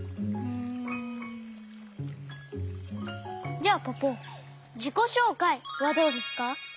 じゃあポポじこしょうかいはどうですか？